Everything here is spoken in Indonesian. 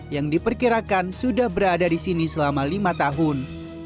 yang diperkirakan sudah berada di sini selama lima tahun